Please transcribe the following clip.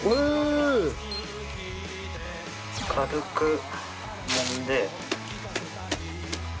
軽くもんで。